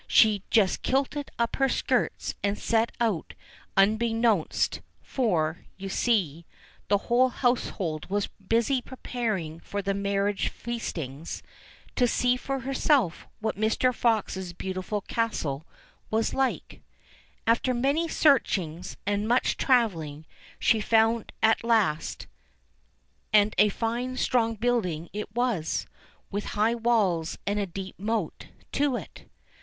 FOX 233 she just kilted up her skirts and set out unbeknownst — for, see you, the whole household was busy preparing for the marriage feastings — to see for herself what Mr. Fox's beauti ful castle was like. After many searchings, and much travelling, she found it at last ; and a fine strong building it was, with high walls and a deep moat to it.